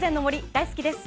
大好きです。